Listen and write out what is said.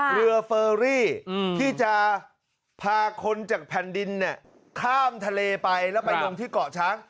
เรือเฟอรี่ที่จะพาคนจากแผ่นดินข้ามทะเลไปแล้วไปลงที่เกาะช้าง